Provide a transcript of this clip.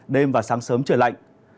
đêm và sáng sớm trời lạnh